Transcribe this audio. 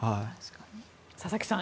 佐々木さん